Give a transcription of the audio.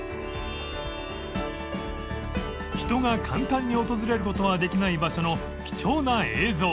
人が簡単に訪れる事ができない場所の貴重な映像